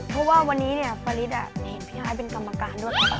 เพราะว่าวันนี้ฟาริสเห็นพี่ไอซ์เป็นกรรมการด้วยครับ